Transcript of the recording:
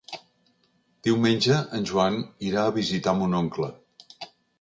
Diumenge en Joan irà a visitar mon oncle.